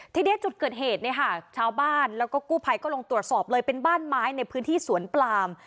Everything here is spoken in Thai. ทีนี้จุดเกิดเหตุเนี่ยค่ะชาวบ้านแล้วก็กู้ภัยก็ลงตรวจสอบเลยเป็นบ้านไม้ในพื้นที่สวนปลาม